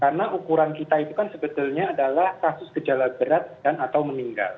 karena ukuran kita itu kan sebetulnya adalah kasus gejala berat dan atau meninggal